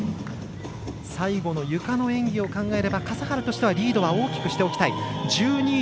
最後のゆかの演技を考えれば笠原としてはリードを大きくしておきたい。１２．７３３